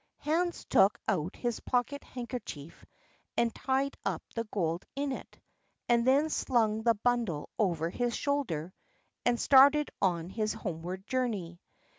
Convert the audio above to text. Hans took out his pocket handkerchief and tied up the gold in it, and then slung the bundle over his shoulder, and started on his homeward journey.